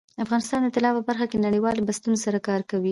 افغانستان د طلا په برخه کې نړیوالو بنسټونو سره کار کوي.